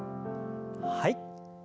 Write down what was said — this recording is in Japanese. はい。